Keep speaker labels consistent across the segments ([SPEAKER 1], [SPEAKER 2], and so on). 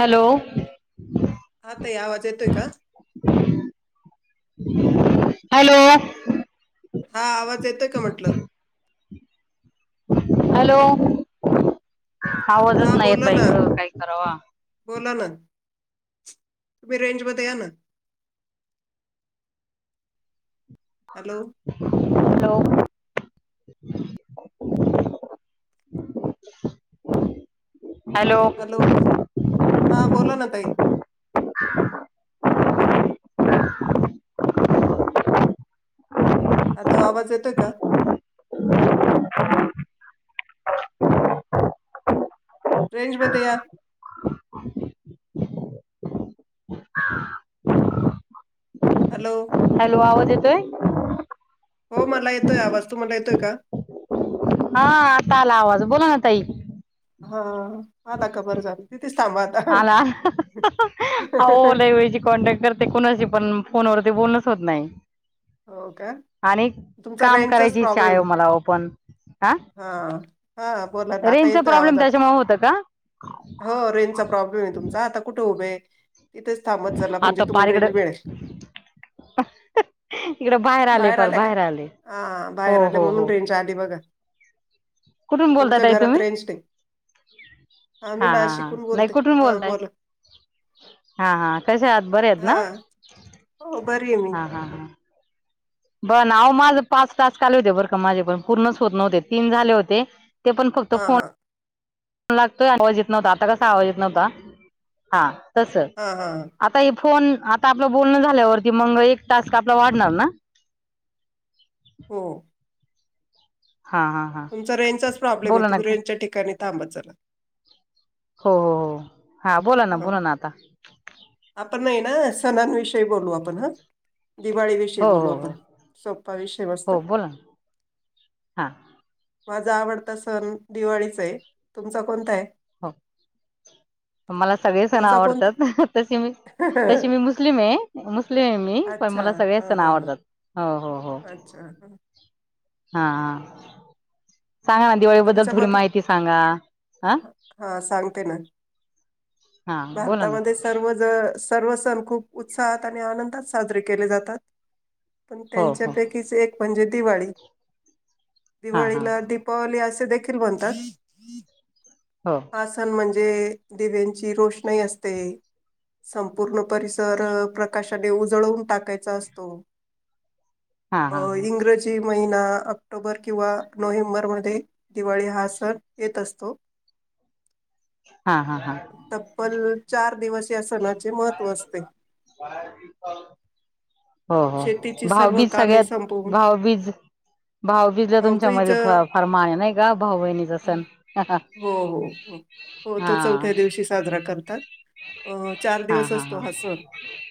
[SPEAKER 1] Hello.
[SPEAKER 2] हा ताई आवाज येतोय का?
[SPEAKER 1] हॅलो.
[SPEAKER 2] हा आवाज येतोय का? म्हटलं.
[SPEAKER 1] हॅलो आवाजच
[SPEAKER 2] हा
[SPEAKER 1] नाही येत,
[SPEAKER 2] बोला
[SPEAKER 1] बाई
[SPEAKER 2] ना
[SPEAKER 1] ग का करावा?
[SPEAKER 2] बोला ना तुम्ही रेंजमध्ये या ना. हॅलो
[SPEAKER 1] हॅलो [unintelligible]
[SPEAKER 2] हॅलो हा बोला ना ताई. हॅलो, आवाज येतोय का? रेंज मध्ये या. हॅलो
[SPEAKER 1] हॅलो आवाज येतोय?
[SPEAKER 2] हो मला येतोय आवाज तुम्हाला येतोय का?
[SPEAKER 1] हा आता आला आवाज बोला ना ताई.
[SPEAKER 2] हा मला खबर झाली ती
[SPEAKER 1] आला हं, ह अहो लय वेळची कॉन्टॅक्ट करते कोणाशी पण. फोनवरती बोलणच होत नाही
[SPEAKER 2] हो का
[SPEAKER 1] आणि
[SPEAKER 2] तुमचा
[SPEAKER 1] काम
[SPEAKER 2] रेंजचाच
[SPEAKER 1] करायची इच्छा आहे
[SPEAKER 2] प्रॉब्लेम
[SPEAKER 1] ओ मला ओ पण हा
[SPEAKER 2] आहे हा बोला आता
[SPEAKER 1] रेंजचा
[SPEAKER 2] येतोय आता आवाज
[SPEAKER 1] प्रॉब्लेम त्याच्यामुळे होतं का
[SPEAKER 2] हो रेंजचा प्रॉब्लेम आहे तुमचा आता कुठे उभेय तिथेच थांबत चला म्हणजे
[SPEAKER 1] आता पार
[SPEAKER 2] तुम्हाला रेंज
[SPEAKER 1] इकडं
[SPEAKER 2] मिळेल
[SPEAKER 1] इकडे आले
[SPEAKER 2] बाहेर
[SPEAKER 1] पार
[SPEAKER 2] आल्या का?
[SPEAKER 1] आले
[SPEAKER 2] हा
[SPEAKER 1] हो
[SPEAKER 2] बाहेर आले
[SPEAKER 1] हो
[SPEAKER 2] म्हणून
[SPEAKER 1] हो
[SPEAKER 2] तेंच्या आदी बघा
[SPEAKER 1] कुठून बोलताय
[SPEAKER 2] तुमच्या
[SPEAKER 1] ताई
[SPEAKER 2] घरात
[SPEAKER 1] तुम्ही
[SPEAKER 2] रेंज [unintelligible] हा मी
[SPEAKER 1] हा
[SPEAKER 2] नाशिकून
[SPEAKER 1] नाही
[SPEAKER 2] बोलते
[SPEAKER 1] कुठून
[SPEAKER 2] हा
[SPEAKER 1] बोलताय
[SPEAKER 2] बोला.
[SPEAKER 1] हा हा कसे आहात? बरे आहेत ना,
[SPEAKER 2] हा हो बरी आहे मी.
[SPEAKER 1] हा हा हा. [unintelligible] आओ माझ पाच टास्क आले होते बरं का माझे पण पूर्णच होत नव्हते, तीन झाले होते ते पण फक्त
[SPEAKER 2] हा
[SPEAKER 1] फोन
[SPEAKER 2] हा
[SPEAKER 1] लागतोय आवाज येत नव्हता, आता कसा आवाज येत नव्हता हा तस
[SPEAKER 2] हा हा
[SPEAKER 1] आता ये फोन आता आपलं बोलणं झाल्यावरती मग एक टास्क आपला वाढणार ना?
[SPEAKER 2] हो.
[SPEAKER 1] हा हा हा
[SPEAKER 2] तुमचा रेंजचाच प्रॉब्लेमये
[SPEAKER 1] बोला ना
[SPEAKER 2] तुम्ही
[SPEAKER 1] का
[SPEAKER 2] रेंजच्या ठिकाणी थांबत चला.
[SPEAKER 1] हो हो हो. हा बोला ना बोला ना आता.
[SPEAKER 2] पण हाय ना सणांविषयी बोलू आपण हा दिवाळी विषयी
[SPEAKER 1] हो
[SPEAKER 2] बोलू
[SPEAKER 1] हो
[SPEAKER 2] आपण,
[SPEAKER 1] हो
[SPEAKER 2] सोप्पा विषय मस्त.
[SPEAKER 1] हो बोला ना हा.
[SPEAKER 2] माझा आवडता सण दिवाळीचाय, तुमचा कोणताय?
[SPEAKER 1] हो मला सगळे सण
[SPEAKER 2] तुमचा कोणता?
[SPEAKER 1] आवडतात, तसे मी तशी मी मुस्लिमये, मुस्लिमये मी पण
[SPEAKER 2] अच्छा.
[SPEAKER 1] मला सगळे
[SPEAKER 2] हा
[SPEAKER 1] सण
[SPEAKER 2] हा हा.
[SPEAKER 1] आवडतात, हो हो. हो
[SPEAKER 2] अच्छा हम्म.
[SPEAKER 1] हा हा. सांगा ना
[SPEAKER 2] मग
[SPEAKER 1] दिवाळी बद्दल
[SPEAKER 2] तुमच्या
[SPEAKER 1] थोडी
[SPEAKER 2] मते
[SPEAKER 1] माहिती सांगा हा.
[SPEAKER 2] हा, सांगते ना.
[SPEAKER 1] हा बोला ना
[SPEAKER 2] भारतामध्ये सर्व ज सर्व सण खूप उत्साहात आणि आनंदात साजरे केले जातात. आणि
[SPEAKER 1] हो हो
[SPEAKER 2] त्यांच्यापैकीच एक म्हणजे दिवाळी.
[SPEAKER 1] हा हा
[SPEAKER 2] दिवाळीला दिप पावली असे देखील म्हणतात,
[SPEAKER 1] हो
[SPEAKER 2] हा सण म्हणजे दे दिव्यांची रोषणाई असते संपूर्ण परिसर प्रकाशाने उजळवून टाकायचा असतो.
[SPEAKER 1] हा
[SPEAKER 2] अ
[SPEAKER 1] हा
[SPEAKER 2] इंग्रजी महिना ऑक्टोबर किंवा नोव्हेंबर म्ह ये दिवाळी हा सण येत असतो
[SPEAKER 1] हा हा हा
[SPEAKER 2] तब्बल चार दिवस त्या सणाचे महत्त्व असते
[SPEAKER 1] हो हो.
[SPEAKER 2] शेतीची सर्व
[SPEAKER 1] भाऊबीज
[SPEAKER 2] कामे
[SPEAKER 1] सगळ्यांत
[SPEAKER 2] संपवून
[SPEAKER 1] भाऊबीज भाऊबीजला तुमच्या
[SPEAKER 2] भाऊबीज
[SPEAKER 1] मध्ये फ
[SPEAKER 2] अ,
[SPEAKER 1] फार माया नाही का? भाऊ बहिणीचा सण.
[SPEAKER 2] हो, हो, हो. हो तो चौथ्या
[SPEAKER 1] हा
[SPEAKER 2] दिवशी साजरा करतात. हो चार दिवस असतो हा सण,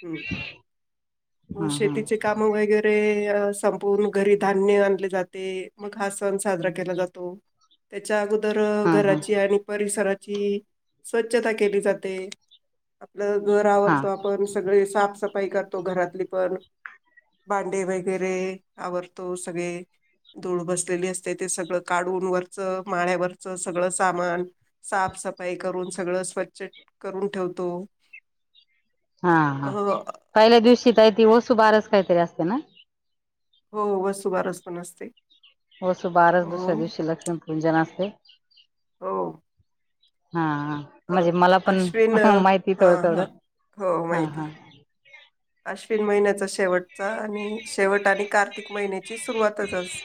[SPEAKER 2] हम्म. म
[SPEAKER 1] हम्म हम्म
[SPEAKER 2] शेतीचे कामं वगैरे ते अ संपूर्ण घरी धान्य आणले जाते, मग हा सण साजरा केला जातो. त्याच्या आजु तर
[SPEAKER 1] हम्म हम्म
[SPEAKER 2] घराची आणि परिसराची स्वच्छता केली जाते. ल घर
[SPEAKER 1] हा
[SPEAKER 2] आवरतो आपण सगळे साफसफाई करतो, घरातली पण. भांडे वगैरे आवरतो सगळे धूळ बसलेली असते, ते सगळं काढून वरचं माळ्यावरचं सगळं सामान साफ सफाई करून सगळं स्वच्छ करून ठेवतो.
[SPEAKER 1] हा
[SPEAKER 2] अ
[SPEAKER 1] हा पहिल्या दिवशी काय ती वसुबारस काहीतरी असत ना?
[SPEAKER 2] हो वसुबारस पण असते.
[SPEAKER 1] वसुबारस
[SPEAKER 2] हो
[SPEAKER 1] दुसऱ्या दिवशी लक्ष्मीपूजन असते.
[SPEAKER 2] हो.
[SPEAKER 1] हा.
[SPEAKER 2] अ
[SPEAKER 1] म्हणजे मला पण
[SPEAKER 2] अश्विन
[SPEAKER 1] माहिती
[SPEAKER 2] हा
[SPEAKER 1] थोडं
[SPEAKER 2] हा
[SPEAKER 1] थोडं.
[SPEAKER 2] हो
[SPEAKER 1] हा हा.
[SPEAKER 2] माहिती. अश्विन महिन्यात च शेवटच आणि शेवट आणि कार्तिक महिन्याची सुरुवातच अस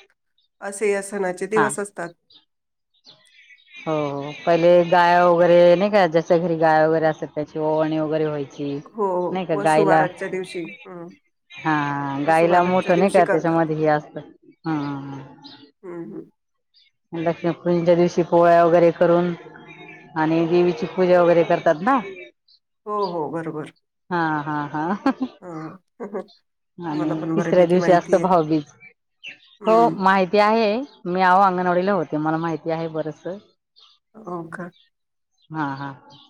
[SPEAKER 2] असे अस सनाचे
[SPEAKER 1] हा
[SPEAKER 2] दिवस
[SPEAKER 1] हो
[SPEAKER 2] असतात
[SPEAKER 1] हो पहिले गाय वगैरे नाही का जच्या घरी गाय वगैरे असेल त्याची ओवाळणी वगैरे व्हायची
[SPEAKER 2] हो
[SPEAKER 1] नाही का
[SPEAKER 2] व
[SPEAKER 1] गायला
[SPEAKER 2] वसुबारस च्या दिवशी
[SPEAKER 1] हा गाईला मोठ
[SPEAKER 2] वसुबारसच्या
[SPEAKER 1] नाही
[SPEAKER 2] दिवशी
[SPEAKER 1] का
[SPEAKER 2] करतात.
[SPEAKER 1] त्याच्यामध्ये हे असतं हा
[SPEAKER 2] हम्म हम्म.
[SPEAKER 1] लक्ष्मीपूजना दिवशी पोळ्या वगैरे करून आणि देवीची पूजा वगैरे करतात ना
[SPEAKER 2] हो हो बरोबर
[SPEAKER 1] हा हा हा
[SPEAKER 2] हां.
[SPEAKER 1] आणि
[SPEAKER 2] मला पण
[SPEAKER 1] तिसऱ्या
[SPEAKER 2] बऱ्यापैकी
[SPEAKER 1] दिवशी असत
[SPEAKER 2] माहिती आहे.
[SPEAKER 1] भाऊबीज हो
[SPEAKER 2] हं.
[SPEAKER 1] माहिती आहे आहे मी आव अंगणवाडीला होते मला माहिती आहे बरस
[SPEAKER 2] हो का
[SPEAKER 1] हा हा ह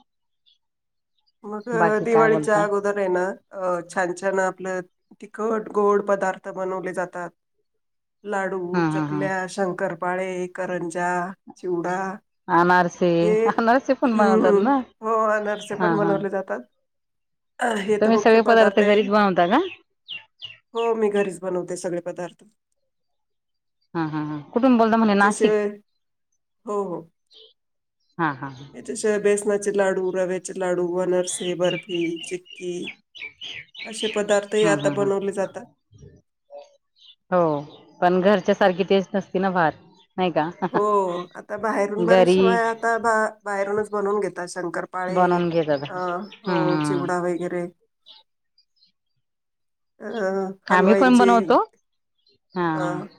[SPEAKER 2] मग दिवाळीच्या अगोदर आहे ना अ छान छान आपलं तिखट गोड पदार्थ बनवले जातात लाडू
[SPEAKER 1] हा हा हा
[SPEAKER 2] चकल्या शंकरपाळे करंजा चिवडा
[SPEAKER 1] अनारसे
[SPEAKER 2] हे
[SPEAKER 1] अनारसे पण बनवतात
[SPEAKER 2] हम्मम्म
[SPEAKER 1] ना
[SPEAKER 2] हो आनरसे
[SPEAKER 1] हा
[SPEAKER 2] पण
[SPEAKER 1] हा
[SPEAKER 2] बनवले जातात हे तर
[SPEAKER 1] तुम्ही
[SPEAKER 2] मुख्य
[SPEAKER 1] सगळे
[SPEAKER 2] पदार्थ आहे
[SPEAKER 1] घरीच बनवता का
[SPEAKER 2] हो मी घरीच बनवते सगळे पदार्थ
[SPEAKER 1] हा हा हा कुठुून बोलत म्हणे नाशिक
[SPEAKER 2] याच्याशिवाय हो
[SPEAKER 1] हा हा हा
[SPEAKER 2] होच्या बेसना लाडू रवेचे लाडू अनारसे बर्फी चिक्की पदार्थही
[SPEAKER 1] हम
[SPEAKER 2] आता
[SPEAKER 1] ह
[SPEAKER 2] बनवले जातात.
[SPEAKER 1] ह हो पण घर त्यासारखी टेस्ट नसती ना फार नाही का
[SPEAKER 2] हो आता बाहेरून
[SPEAKER 1] घरी
[SPEAKER 2] बरेचशिवाय आता बाहेरूनच बनवून घेतात शंकरपाळे
[SPEAKER 1] बनवून घेतात
[SPEAKER 2] अ हो
[SPEAKER 1] हम्म
[SPEAKER 2] चिवडा वगैरे अ
[SPEAKER 1] आम्ही पण
[SPEAKER 2] हलवाईंची
[SPEAKER 1] बनवतो हा
[SPEAKER 2] अ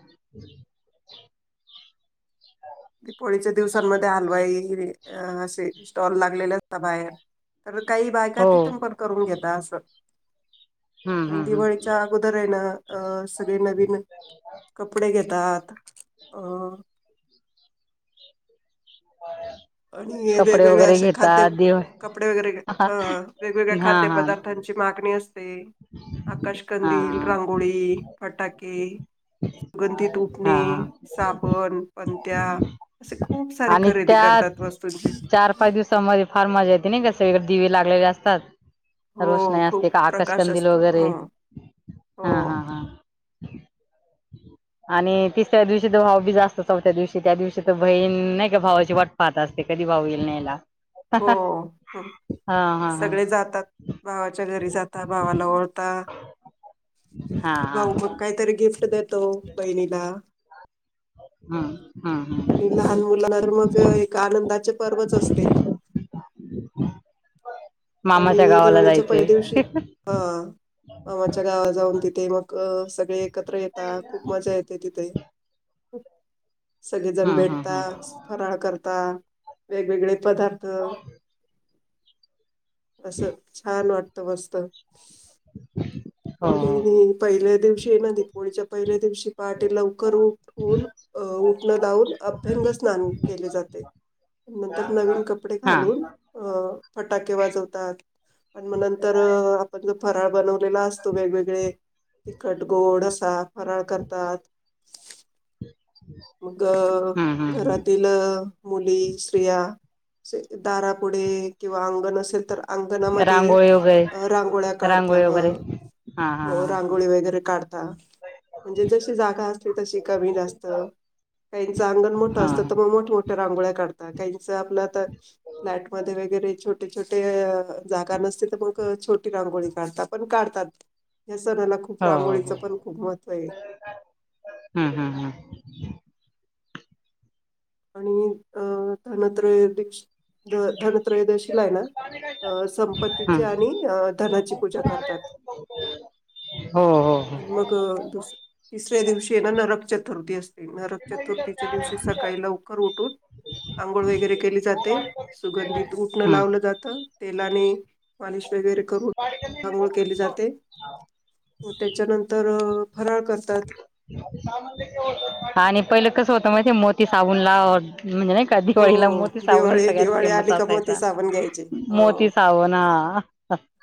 [SPEAKER 2] दिीपोळीच्या दिवसांमध्ये हलवाई अ असे स्टॉल लागलेले असतात बाहेर तर काही बायका
[SPEAKER 1] हो
[SPEAKER 2] तिथून पण करून घेतात असं
[SPEAKER 1] हम्म
[SPEAKER 2] आणि
[SPEAKER 1] हम्म हम्म
[SPEAKER 2] दिवाळीच्या अगोदर आहे ना अ सगळे नवीन कपडे घेत दात हो आणि
[SPEAKER 1] कपडे
[SPEAKER 2] वेगवेगळ्या
[SPEAKER 1] वगैरे
[SPEAKER 2] अशे खाद्य
[SPEAKER 1] घेतात देव
[SPEAKER 2] कपडे वगैरे
[SPEAKER 1] हा
[SPEAKER 2] ह वेगवेगळ्या
[SPEAKER 1] हा
[SPEAKER 2] खाद्य
[SPEAKER 1] हा
[SPEAKER 2] पदार्थांची मागणी असते
[SPEAKER 1] हा हा
[SPEAKER 2] आकाशकंदील रांगोळी फटाके सुगंधित उठणे
[SPEAKER 1] हा
[SPEAKER 2] साबण पणत्या असे खूप सारे
[SPEAKER 1] आणि
[SPEAKER 2] खरेदी
[SPEAKER 1] त्यात
[SPEAKER 2] करतात वस्तूंची.
[SPEAKER 1] चार पाच दिवसामध्ये फार मजा येते नाही कसे सगळीकडे दिवे लागलेले असतात
[SPEAKER 2] हो
[SPEAKER 1] रोषणाई असते
[SPEAKER 2] खूप
[SPEAKER 1] का
[SPEAKER 2] प्रकाश
[SPEAKER 1] आकाशकंदील
[SPEAKER 2] असतो.
[SPEAKER 1] वगैरे
[SPEAKER 2] हं हो
[SPEAKER 1] हा हा हा आणि तिसऱ्या दिवशी तर भाव बीजस्तो चौथ्या दिवशी त्या दिवशी तर बहीण नाही का भावाची वाट पाहत असते कधी भाऊ येईल न्यायला
[SPEAKER 2] हो
[SPEAKER 1] हा हा
[SPEAKER 2] सगळे जातात भावाच्या घरी जातात हो भावाला ओवाळतात
[SPEAKER 1] हा हा
[SPEAKER 2] भाऊ
[SPEAKER 1] हा.
[SPEAKER 2] मग काहीतरी गिफ्ट देतो बहिणीला
[SPEAKER 1] हम्म हम्म हम्म
[SPEAKER 2] आणि लहान मुलांना तर मग एक आनंदाचे पर्वच असते
[SPEAKER 1] मामाच्या
[SPEAKER 2] आणि
[SPEAKER 1] गावाला
[SPEAKER 2] दिवाळीच्या पहिल्या
[SPEAKER 1] जायचंय
[SPEAKER 2] दिवशी
[SPEAKER 1] हम्म
[SPEAKER 2] हा मामाच्या गावात जाऊन तिथे मग सगळे एकत्र येतात खूप मजा येते तिथे सगळेजण
[SPEAKER 1] हम्म
[SPEAKER 2] भेटता
[SPEAKER 1] हम्म.
[SPEAKER 2] फराळ करता वेगवेगळे पदार्थ असं छान वाटतं मस्त
[SPEAKER 1] हो हो
[SPEAKER 2] आणि पहिल्या दिवशी ये ना दीपवाळीच्या पहिल्या दिवशी पहाटे लवकर उठून अ उ र्न लाऊन अभ्यंग स्नान केले जाते. नंतर नवीन कपडे
[SPEAKER 1] हा
[SPEAKER 2] घालून अ फटाके वाजवतात. आणि मग नंतर आपण जो फराळ बनवलेला असतो वेगवेगळे तिखट गोड असा फराळ करतात. मग
[SPEAKER 1] हम्म हम्म हम्म.
[SPEAKER 2] घरातील मुली स्त्रिया दारापुढे किंवा अंगण असेल तर अंगणामध्ये
[SPEAKER 1] रांगोळी वगैरे
[SPEAKER 2] अ रांगोळ्या काढत अ
[SPEAKER 1] रांगोळी वगैरे हा हा
[SPEAKER 2] हो रांगोळी वगैरे काढता म्हणजे जशी जागा असते तशी कमी जास्त काहीचं अंगण मोठं
[SPEAKER 1] हा
[SPEAKER 2] असतं
[SPEAKER 1] हा.
[SPEAKER 2] तर मग मोठ्या मोठ्या रांगोळ्या काढतात, काहीचं आपलं आता फ्लॅट मध्ये वगैरे छोटे छोटे जागा नसतील तर मग छोटी रांगोळी काढतात, पण काढतात. ह सणाला खूप
[SPEAKER 1] हो हो हो
[SPEAKER 2] रांगोळीचं पण खूप महत्त्व आहे.
[SPEAKER 1] हम्म हम्म हम्म
[SPEAKER 2] आणि अ धनत्रय दक्ष धनत्रयदशील आहे ना. अं संपत्तीची आणि
[SPEAKER 1] हम्म
[SPEAKER 2] धनाची पूजा करतात.
[SPEAKER 1] हो हो हो.
[SPEAKER 2] आणि मग दुस तिसऱ्या दिवशी ना नरक चतुर्थी असते नरक चतुर्थीच्या दिवशी सकाळी लवकर करू [unintelligible] आंघोळ वगैरे केली जाते सुगंधित उटणं
[SPEAKER 1] हम्म
[SPEAKER 2] लावलं जात तेलाने मालि वगैरे करून आंगोळ केली जाते. त्याच्यानंतर फराळ करतात.
[SPEAKER 1] आणि पहिलं कस होतं मग ते मोती साबुण ला म्हणजे नाही का
[SPEAKER 2] हो
[SPEAKER 1] दिवाळीला मोती साबूनच
[SPEAKER 2] दिवाळी
[SPEAKER 1] सगळ्यात
[SPEAKER 2] दिवाळी
[SPEAKER 1] फेमस
[SPEAKER 2] आली का मोती
[SPEAKER 1] असायचा.
[SPEAKER 2] साबण घ्यायचे हो
[SPEAKER 1] मोती साबना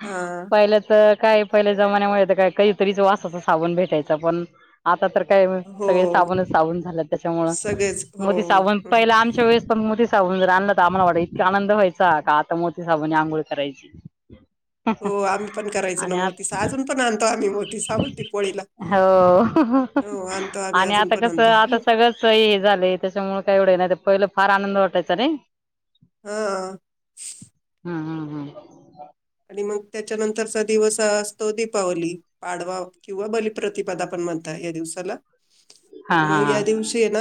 [SPEAKER 2] हा
[SPEAKER 1] पहिलं तर काय पहिल्या जमान्यामुळे का कहीतरी वासाच साबण भेटायं पण आता तर काय सगळे
[SPEAKER 2] हो
[SPEAKER 1] साबणच साबण झालं त्याच्यामुळे
[SPEAKER 2] सगळेच
[SPEAKER 1] मोती
[SPEAKER 2] हो,
[SPEAKER 1] साबण
[SPEAKER 2] हो,
[SPEAKER 1] पहिला आमच्या वेळेस पण मो साबण आणलं तर आम्हाला वाट इतक आनंद व्हायचा का आता मोती साबण आंघोळ करायची.
[SPEAKER 2] हो आम्ही पण करायचो ना
[SPEAKER 1] आणि आ
[SPEAKER 2] मोतीस अजून पण आणतो आम्ही मोती साबून दीपवाळीला.
[SPEAKER 1] हो आणि
[SPEAKER 2] अजून
[SPEAKER 1] आता
[SPEAKER 2] पण
[SPEAKER 1] कस
[SPEAKER 2] आणतो
[SPEAKER 1] आता सगळंच हे झालंय त्याच्यामुळे काय एवढं नाही. पहिलं फार आनंद वाटायचा नाही.
[SPEAKER 2] हा
[SPEAKER 1] हम हम हम्
[SPEAKER 2] आणि मग त्याच्यानंतरचा दिवस हा असतो दीपावली पाडवा किंवा बलप्रतिपाद आपण म्हणय. दि
[SPEAKER 1] हा हा
[SPEAKER 2] मग या दिवशी ना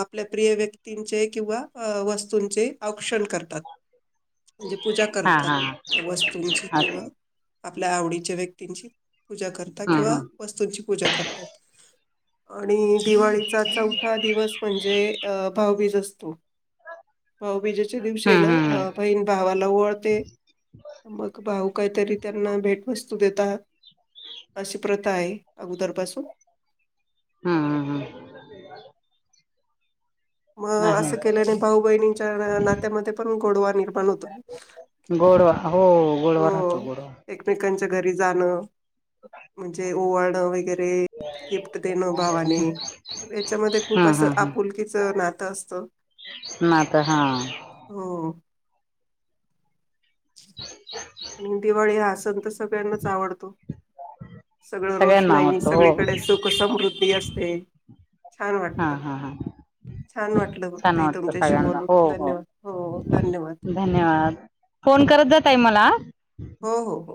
[SPEAKER 2] आपल्या प्रिय व्यक्तींचे किंवा वस्तूंचे औक्षण करतात. म्हणजे पूजा
[SPEAKER 1] हा हा
[SPEAKER 2] करतात
[SPEAKER 1] हा
[SPEAKER 2] त्या वस्तूंची
[SPEAKER 1] हा
[SPEAKER 2] किंवा
[SPEAKER 1] हम्म
[SPEAKER 2] आपल्या आवडीच्या व्यक्तींची पूजा करतात किंवा
[SPEAKER 1] हम्म
[SPEAKER 2] वस्तूंची पूजा करतात. आणि दिवाळीचा चौथा दिवस म्हणजे अ भावबीज असतो. भाऊबीजाच्या दिवशी
[SPEAKER 1] हम्म
[SPEAKER 2] ना
[SPEAKER 1] हम्म
[SPEAKER 2] बहीण भावाला ओवाळते. भाऊ काहीतरी त्यांना भेटवस्तू देतात. अशी प्रथा आहे अगोदरपासून
[SPEAKER 1] हम् हम हम
[SPEAKER 2] मग असं केल्याने भाऊ बहिणींच्या नात्यामध्ये पण गोडवा निर्माण होतो.
[SPEAKER 1] गोडवा हो गोडवा राहतो गोडवा.
[SPEAKER 2] ते घरी जाण म्हणजे ओवाळण वगैरे. नी गिफ्ट देण भावानी याच्यामध्ये खूप
[SPEAKER 1] हम्म
[SPEAKER 2] असं आपुलकीच नातं असत. हो.
[SPEAKER 1] म तर हा.
[SPEAKER 2] आणि दिवाळी हा सण तर सगळ्यांनाच आवडतो. सगळं रोष
[SPEAKER 1] सगळ्यांना
[SPEAKER 2] नाहीई
[SPEAKER 1] आवडतो हो
[SPEAKER 2] सगळीकडे सुख समृद्धी असते. छान
[SPEAKER 1] हा
[SPEAKER 2] वाटतं.
[SPEAKER 1] हा हा
[SPEAKER 2] छान वाटलं
[SPEAKER 1] छान
[SPEAKER 2] ताई
[SPEAKER 1] वाटतं
[SPEAKER 2] तुमच्याशी
[SPEAKER 1] सगळ्यांना
[SPEAKER 2] बोलू
[SPEAKER 1] हो हो
[SPEAKER 2] धन्यवाद हो धन्यवाद.
[SPEAKER 1] धन्यवाद फोन करत जा ताई मला अ.
[SPEAKER 2] हो हो हो